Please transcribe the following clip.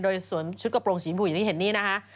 โดยสวมชุดกระโปรงสีบูอย่างที่เห็นนี่นะคะ